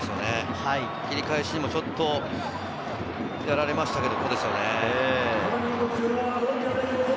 繰り返しにも、やられましたけど、ここですよね。